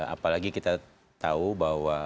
apalagi kita tahu bahwa